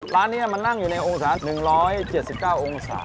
ร้านนี้มันนั่งอยู่ในองศา๑๗๙องศา